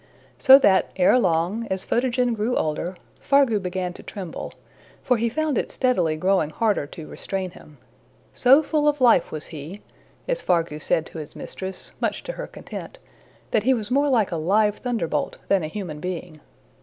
So that, ere long, as Photogen grew older, Fargu began to tremble, for he found it steadily growing harder to restrain him. So full of life was he, as Fargu said to his mistress, much to her content, that he was more like a live thunderbolt than a human being.